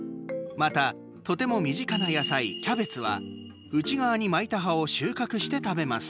また、とても身近な野菜キャベツは内側に巻いた葉を収穫して食べます。